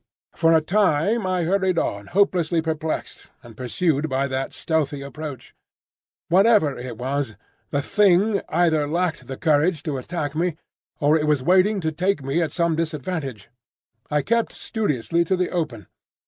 For a time I hurried on hopelessly perplexed, and pursued by that stealthy approach. Whatever it was, the Thing either lacked the courage to attack me, or it was waiting to take me at some disadvantage. I kept studiously to the open.